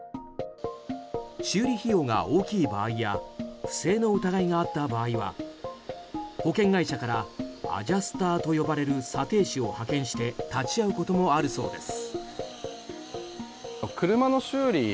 修理費用が大きい場合や不正の疑いがあった場合は保険会社からアジャスターと呼ばれる査定士を派遣して立ち会うこともあるそうです。